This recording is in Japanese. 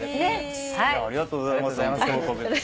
ありがとうございます。